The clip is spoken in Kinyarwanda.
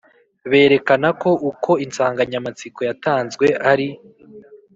Berekana ko uko insanganyamatsiko yatanzwe ari